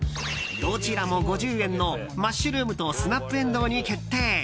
どちらも５０円のマッシュルームとスナップエンドウに決定。